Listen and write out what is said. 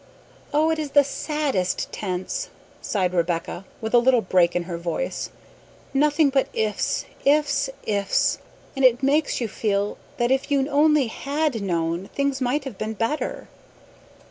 "Oh, it is the saddest tense," sighed Rebecca with a little break in her voice; "nothing but IFS, IFS, IFS! And it makes you feel that if they only HAD known, things might have been better!"